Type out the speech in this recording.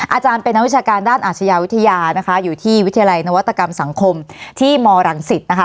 อาจารย์เป็นนักวิชาการด้านอาชญาวิทยานะคะอยู่ที่วิทยาลัยนวัตกรรมสังคมที่มรังสิตนะคะ